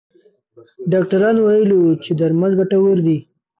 ډاکټران ویلي وو چې درمل ګټور دي.